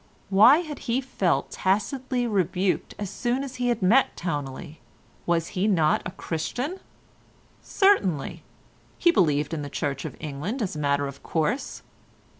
Why had he felt tacitly rebuked as soon as he had met Towneley? Was he not a Christian? Certainly; he believed in the Church of England as a matter of course.